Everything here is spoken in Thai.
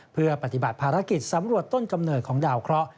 เพื่อปฏิบัติภารกิจสำรวจต้นกำเนิดของดาวเคราะห